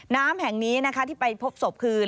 น้ำแห่งนี้นะคะที่ไปพบศพคือ